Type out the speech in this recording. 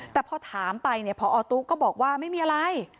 แต่พอถามไปผอตุ๊กก็บอกว่าไม่มีอะไร